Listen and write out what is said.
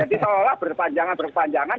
jadi seolah berpanjangan berpanjangan